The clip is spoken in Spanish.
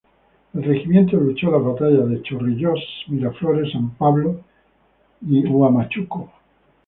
El regimiento luchó las batallas de Chorrillos, Miraflores, San Pablo y Huamachuco.